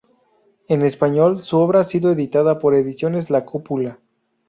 En español, su obra ha sido editada por Ediciones La Cúpula.